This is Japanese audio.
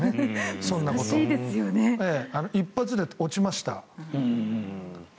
そんなこと１発で落ちました。